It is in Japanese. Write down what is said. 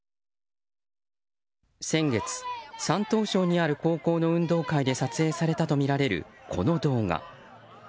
先月、山東省にある高校の運動会で撮影されたとみられる、この動画。